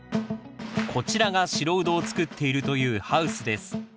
こちらが白ウドを作っているというハウスです。